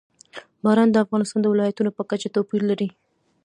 باران د افغانستان د ولایاتو په کچه توپیر لري.